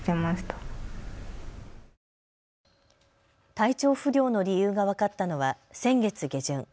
体調不良の理由が分かったのは先月下旬。